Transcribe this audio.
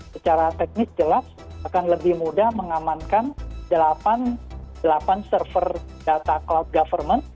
secara teknis jelas akan lebih mudah mengamankan delapan server data cloud government